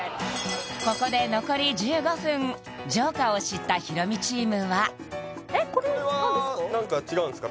ここでＪＯＫＥＲを知ったヒロミチームはこれは何か違うんすか？